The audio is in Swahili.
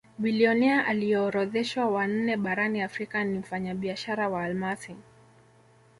Bilionea aliyeorodheshwa wa nne barani Afrika ni mfanyabiashara wa almasi